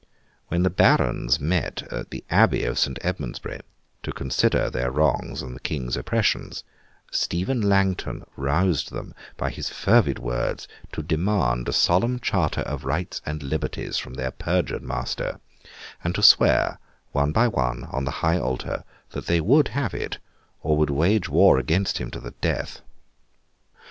When the Barons met at the abbey of Saint Edmund's Bury, to consider their wrongs and the King's oppressions, Stephen Langton roused them by his fervid words to demand a solemn charter of rights and liberties from their perjured master, and to swear, one by one, on the High Altar, that they would have it, or would wage war against him to the death.